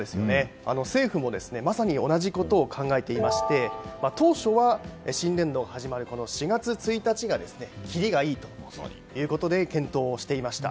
政府もまさに同じことを考えていまして当初は、新年度が始まる４月１日がきりがいいということで検討をしていました。